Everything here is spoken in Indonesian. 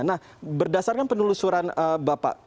nah berdasarkan penelusuran bapak